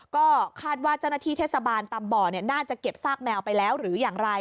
ก็คาดว่าเจ้าหน้าที่เทศบาลตำบ่อน่าจะเก็บซากแมวไปแล้วหรืออย่างไร